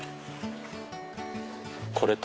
これと。